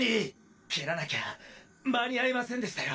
蹴らなきゃ間に合いませんでしたよ。